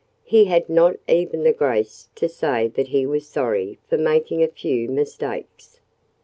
He had not even the grace to say that he was sorry for making a few "mistakes."